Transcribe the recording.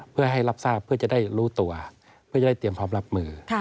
เพื่อให้รับทราบเพื่อจะได้รู้ตัวเพื่อจะได้เตรียมพร้อมรับมือ